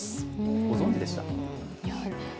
ご存じでしたか？